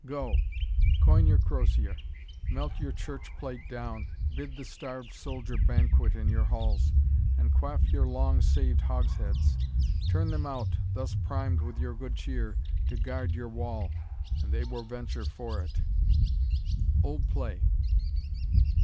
Go, coin your crosier, melt your church plate down Bid the starved soldier banquet in your halls, And quaff your long saved hogsheads Turn them out Thus primed with your good cheer, to guard your wall, And they will venture for't. OLD PLAY.